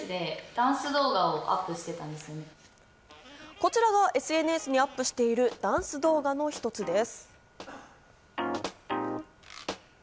こちらがＳＮＳにアップしているダンス動画の一つです。